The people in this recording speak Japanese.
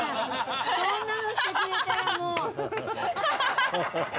そんなのしてくれたらもう。